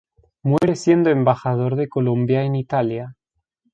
Muere siendo embajador de Colombia en Italia.